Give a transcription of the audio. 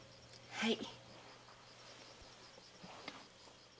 はい。